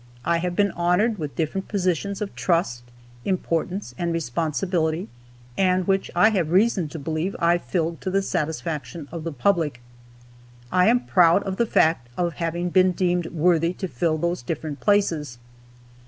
I have been honored with different positions of trust, importance, and responsibility, and which I have reason to believe I filled to the satisfaction of the public. I am proud of the fact of having been deemed worthy to fill those different places.